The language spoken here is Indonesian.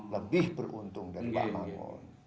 lebih beruntung dan pak mangun